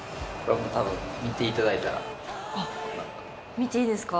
見ていいですか？